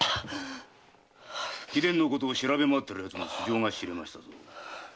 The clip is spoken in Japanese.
貴殿のことを調べまわっているヤツの素性が知れましたぞ。